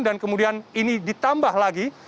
dan kemudian ini ditambah lagi